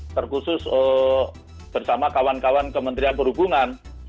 terkhusus bersama kawan kawan kementerian perhubungan